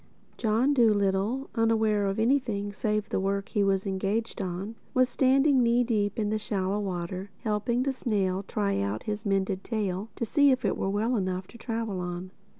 John Dolittle, unaware of anything save the work he was engaged on, was standing knee deep in the shallow water, helping the snail try out his mended tail to see if it were well enough to travel on.